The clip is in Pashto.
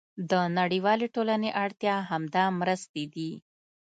د نړیوالې ټولنې اړتیا همدا مرستې دي.